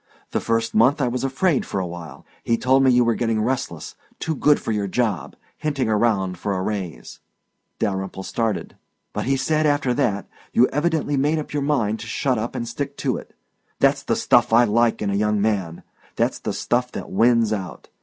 The first month I was afraid for awhile. He told me you were getting restless, too good for your job, hinting around for a raise " Dalyrimple started. " But he said after that you evidently made up your mind to shut up and stick to it. That's the stuff I like in a young man! That's the stuff that wins out.